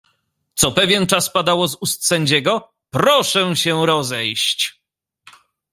"Co pewien czas padało z ust sędziego: „proszę się rozejść“."